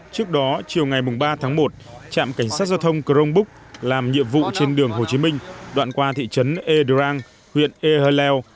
trước đó chiều ngày ba một trạm cảnh sát giao thông chromebook làm nhiệm vụ trên đường hồ chí minh đoạn qua thị trấn e drang huyện el halal